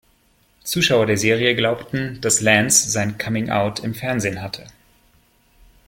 Zuschauer der Serie glaubten, dass Lance sein Coming Out im Fernsehen hatte.